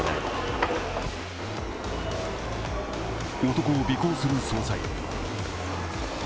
男を尾行する捜査員。